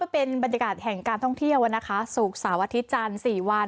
เป็นบรรยากาศแห่งการท่องเที่ยวนะคะศุกร์เสาร์อาทิตย์จันทร์๔วัน